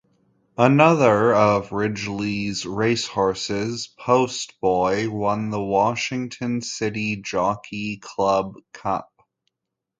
Another of Ridgely's racehorses, Post Boy, won the Washington City Jockey Club cup.